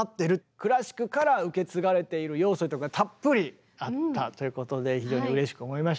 クラシックから受け継がれている要素とかたっぷりあったということで非常にうれしく思いました。